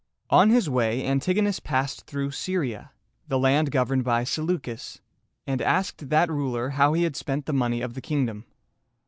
On his way, Antigonus passed through Syria, the land governed by Se leu´cus, and asked that ruler how he had spent the money of the kingdom.